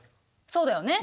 そうだよね。